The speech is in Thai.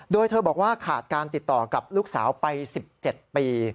โดยเธอบอกว่าขาดการติดต่อกับลูกสาวไป๑๗ปี